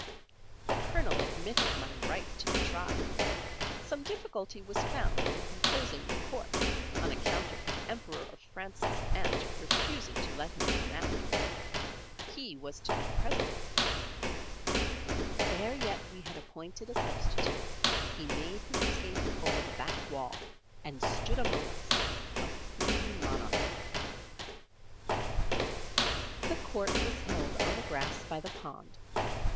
The Colonel admitted my right to be tried. Some difficulty was found in composing the court, on account of the Emperor of France's aunt refusing to let him come out. He was to be the President. 'Ere yet we had appointed a substitute, he made his escape over the back wall, and stood among us, a free monarch. [Illustration: The court was held on the grass by the pond.] The court was held on the grass by the pond.